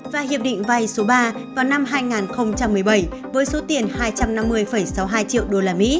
và hiệp định vay số ba vào năm hai nghìn một mươi bảy với số tiền hai trăm năm mươi sáu mươi hai triệu usd